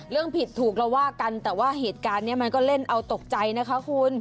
ผิดถูกเราว่ากันแต่ว่าเหตุการณ์นี้มันก็เล่นเอาตกใจนะคะคุณ